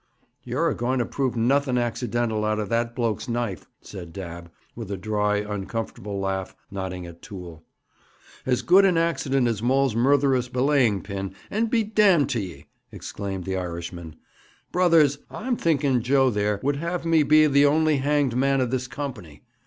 'You're a going to prove nothing accidental out of that bloke's knife,' said Dabb, with a dry, uncomfortable laugh, nodding at Toole. 'As good an accident as Maul's murtherous belaying pin, and be damned to ye!' exclaimed the Irishman. 'Brothers, I'm thinking Joe there would have me be the only hanged man of this company.